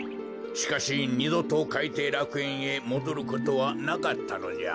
しかしにどとかいていらくえんへもどることはなかったのじゃ。